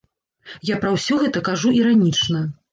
Я пра ўсё гэта кажу іранічна.